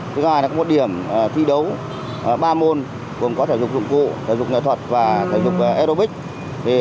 thứ hai là có một điểm thi đấu ba môn gồm có thể dục dụng cụ thể dục nghệ thuật và thể dục aerobic